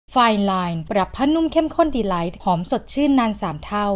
ไฟไลน์ปรับผ้านุ่มเข้มข้นดีไลท์หอมสดชื่นนาน๓เท่า